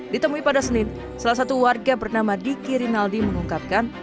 ditemui pada senin salah satu warga bernama diki rinaldi mengungkapkan